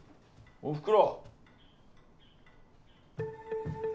おふくろ！